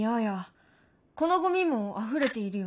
このゴミもあふれているよね？